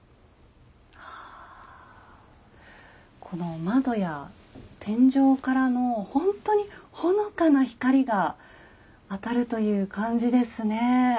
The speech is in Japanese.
この窓や天井からのほんとにほのかな光が当たるという感じですねえ。